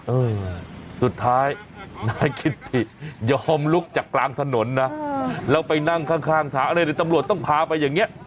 เออสุดท้ายนายคิตติยอมลุกจากกลางถนนนะแล้วไปนั่งข้างข้างทางอะไรเดี๋ยวตำรวจต้องพาไปอย่างนี้